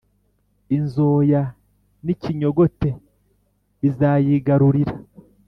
Inzoya n ikinyogote bizayigarurira